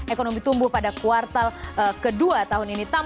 ekonomi tumbuh pada kuartal ke dua tahun ini